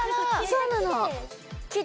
そうなの！